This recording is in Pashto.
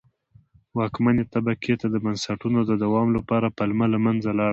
واکمنې طبقې ته د بنسټونو د دوام لپاره پلمه له منځه لاړه.